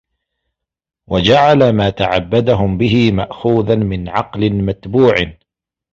وَجَعَلَ مَا تَعَبَّدَهُمْ بِهِ مَأْخُوذًا مِنْ عَقْلٍ مَتْبُوعٍ